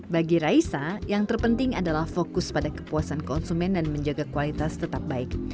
bagi raisa yang terpenting adalah fokus pada kepuasan konsumen dan menjaga kualitas tetap baik